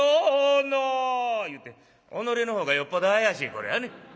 言うて己のほうがよっぽど怪しいこれはね。